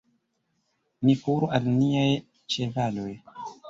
Ni kuru al niaj ĉevaloj.